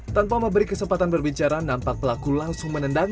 tanpa memberi kesempatan berbicara nampak pelaku langsung menendang